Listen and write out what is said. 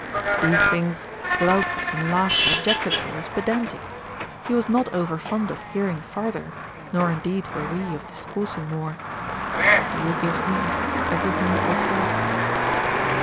These things Glaucus in laughter objected to as pedantic. He was not over fond of hearing farther, nor indeed were we of discoursing more. But do you give heed to every thing that was said.